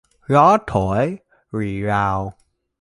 Gió thổi rì rào